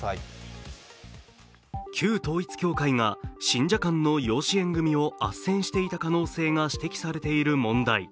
旧統一教会が信者間の養子縁組をあっせんしていた可能性が指摘されている問題。